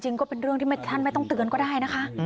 ก็เป็นเรื่องที่ท่านไม่ต้องเตือนก็ได้นะคะ